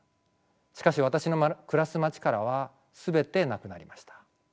しかし私の暮らす街からは全てなくなりました。